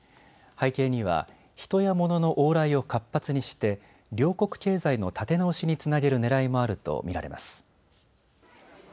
背景には人や物の往来を活発にして両国経済の立て直しにつなげるねらいもあると見られます。